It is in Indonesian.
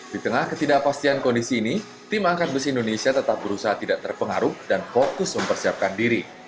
di tengah ketidakpastian kondisi ini tim angkat besi indonesia tetap berusaha tidak terpengaruh dan fokus mempersiapkan diri